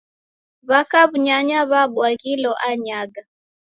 W'aka w'unyanya w'abwaghilo anyaja.